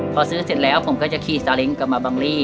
พอซื้อเสร็จแล้วผมก็จะขี่ซาเล้งกลับมาบังลี่